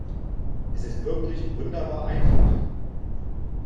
Es ist wirklich wunderbar einfach.